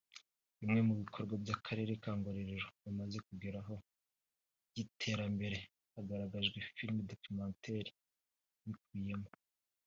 Bimwe mu bikorwa by’Akarere ka Ngororero bamaze kugeraho by’iterambere hagaragajwe Film documentaire ibikubiyemo